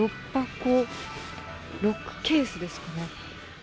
６ケースですかね。